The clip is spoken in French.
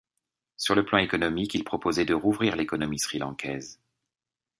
Sur le plan économique, il proposait de rouvrir l'économie sri-lankaise.